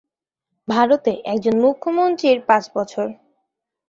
ভারতে একজন মুখ্যমন্ত্রীর পাঁচ বছর।